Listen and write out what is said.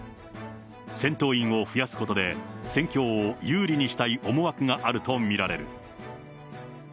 戦闘員を増やすことで、戦況を有利にしたい思惑があると見られる。